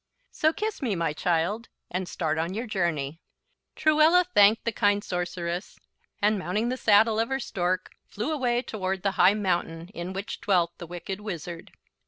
So kiss me, my child, and start on your journey." Truella thanked the kind sorceress, and mounting the saddle of her Stork flew away toward the high mountain in which dwelt the Wicked Wizard.